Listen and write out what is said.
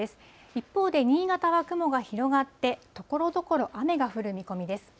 一方で、新潟は雲が広がってところどころ、雨が降る見込みです。